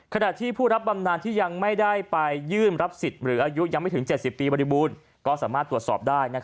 ขณะที่ผู้รับบำนานที่ยังไม่ได้ไปยื่นรับสิทธิ์หรืออายุยังไม่ถึง๗๐ปีบริบูรณ์ก็สามารถตรวจสอบได้